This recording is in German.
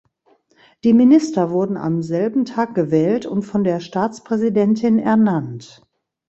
Die Minister wurden am selben Tag gewählt und von der Staatspräsidentin ernannt.